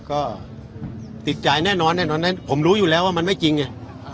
ก็ติดใจแน่นอนตอนนั้นผมรู้อยู่แล้วว่ามันไม่จริงไง